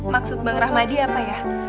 maksud bang rahmadi apa ya